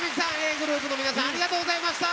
ｇｒｏｕｐの皆さんありがとうございました！